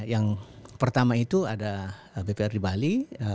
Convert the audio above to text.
yang pertama itu ada bpr di bali